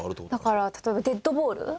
だから例えばデッドボール。